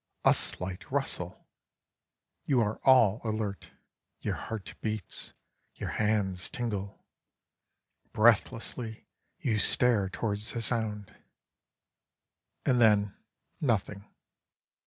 A slight rustle! You are all alert. Your heart beats. Your hands tingle. Breathlessly you stare towards the sound. And then nothing.